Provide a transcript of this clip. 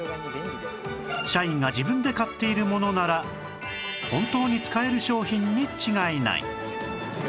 社員が自分で買っているものなら本当に使える商品に違いない